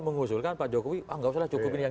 mengusulkan pak jokowi ah gak usah lah cukup ini yang